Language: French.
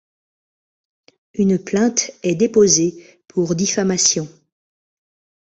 Une plainte est déposée pour diffamation.